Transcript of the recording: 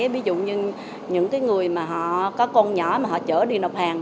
ví dụ như những người mà họ có con nhỏ mà họ chở đi nộp hàng